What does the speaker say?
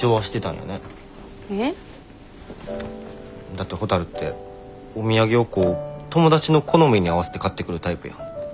だってほたるってお土産をこう友達の好みに合わせて買ってくるタイプやん。